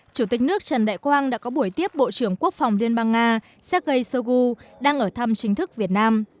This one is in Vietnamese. chủ tịch nước trần đại quang đã có buổi tiếp bộ trưởng quốc phòng liên bang nga sergei shoigu đang ở thăm chính thức việt nam